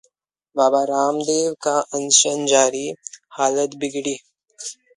बाबा रामदेव का अनशन जारी, हालत बिगड़ी